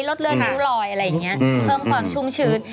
เลือดนิ้วลอยอะไรอย่างนี้เพิ่มความชุ่มชื้น